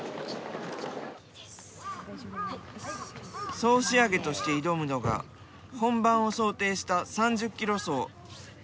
総仕上げとして挑むのが本番を想定した３０ｋｍ走。